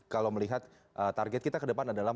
kalau melihat target kita ke depan adalah